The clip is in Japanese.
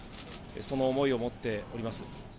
その思いを持っております。